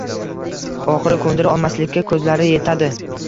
Oxiri koʻndira olmaslikka koʻzlari yetadi.